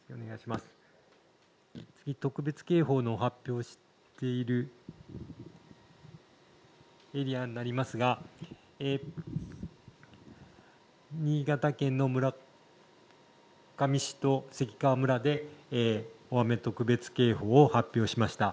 特別警報の発表をしているエリアになりますが新潟県の村上市と関川村で大雨特別警報を発表しました。